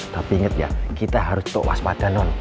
tapi inget ya kita harus tetap waspada non